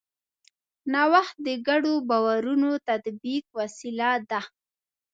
نوښت د ګډو باورونو د تطبیق وسیله ده.